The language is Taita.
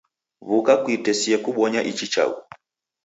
W'uka kuitesie kubonya ichi chaghu